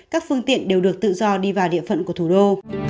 các phương tiện đều được tự do đi vào địa phận của thủ đô